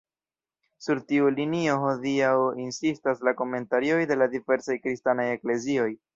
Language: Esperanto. Sur tiu linio hodiaŭ insistas la komentarioj de la diversaj kristanaj eklezioj.